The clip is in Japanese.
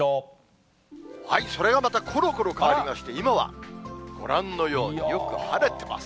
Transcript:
それがまたころころ変わりまして、今はご覧のように、よく晴れてます。